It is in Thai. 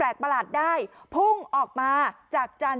หญิงบอกว่าจะเป็นพี่ปวกหญิงบอกว่าจะเป็นพี่ปวก